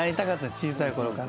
小さいころから。